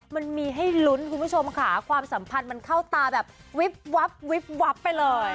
มันมีให้ลุ้นคุณผู้ชมค่ะความสัมพันธ์มันเข้าตาแบบวิบวับวิบวับไปเลย